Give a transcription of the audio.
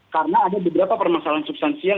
karena ada beberapa permasalahan substansial